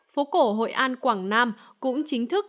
phố cổ hội an quảng nam cũng chính thức